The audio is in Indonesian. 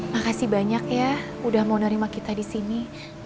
makasih banyak ya udah mau nerima kita di sini